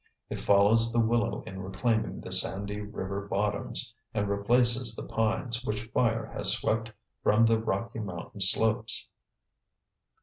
It follows the willow in reclaiming the sandy river bottoms and replaces the pines which fire has swept from the Rocky Mountain slopes.